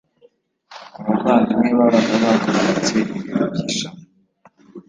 abavandimwe babaga bakomeretse ibiro by ishami